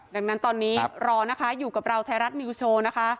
ดังนั้นตอนนี้รอนะคะอยู่กับเราไทยรัฐนิวส์โชว์นะคะ